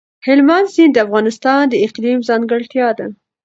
هلمند سیند د افغانستان د اقلیم ځانګړتیا ده.